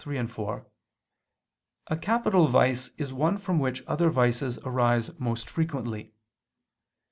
3, 4), a capital vice is one from which other vices arise most frequently.